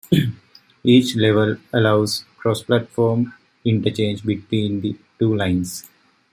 Each level allows cross-platform interchange between the two lines.